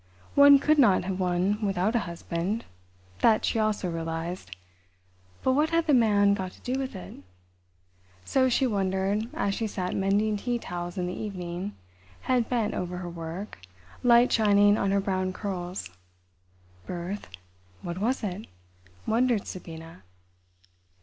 One could not have one without a husband—that she also realised. But what had the man got to do with it? So she wondered as she sat mending tea towels in the evening, head bent over her work, light shining on her brown curls. Birth—what was it? wondered Sabina.